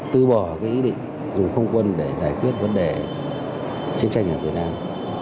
từ bỏ cái ý định dùng không quân để giải quyết vấn đề chiến tranh ở việt nam